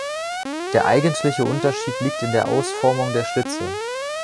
Der eigentliche Unterschied liegt in der Ausformung der Schlitze.